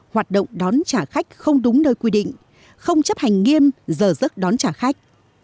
hoạt động đón trả khách không đúng nơi quy định không chấp hành nghiêm giờ giấc đón trả khách